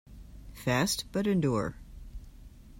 Fast, but endure.